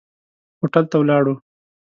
هوټل ته ولاړو.